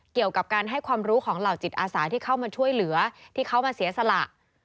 เกี่ยวกับการให้ความรู้ของเหล่าจิตอาสาที่เข้ามาช่วยเหลือที่เขามาเสียสละ